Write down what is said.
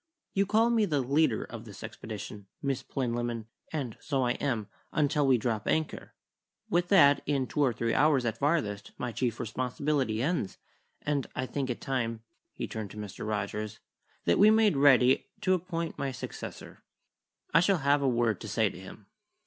"You call me the leader of this expedition, Miss Plinlimmon; and so I am, until we drop anchor. With that, in two or three hours at farthest, my chief responsibility ends, and I think it time" he turned to Mr. Rogers "that we made ready to appoint my successor. I shall have a word to say to him."